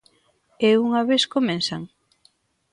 E unha vez comezan?